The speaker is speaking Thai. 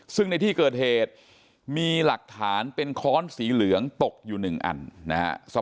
ซึ่งในที่เกิดเหตุมีหลักฐานเป็นค้อนสีเหลืองตกอยู่๑อันนะครับ